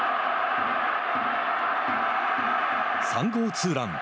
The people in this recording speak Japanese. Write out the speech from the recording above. ３号ツーラン。